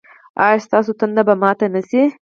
ایا ستاسو تنده به ماته نه شي؟